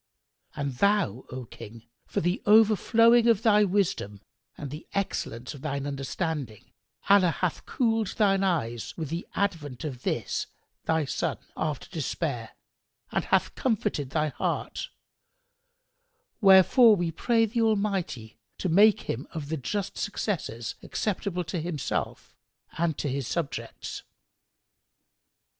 And thou, O King, for the overflowing of thy wisdom and the excellence of thine understanding, Allah hath cooled thine eyes with the advent of this thy son, after despair, and hath comforted thy heart; wherefore we pray the Almighty to make him of the just successors acceptable to Himself and to his subjects."